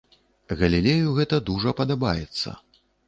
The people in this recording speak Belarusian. Галілею гэта дужа падабаецца.